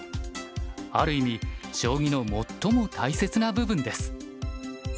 ある意味将棋の最も大切な部分です。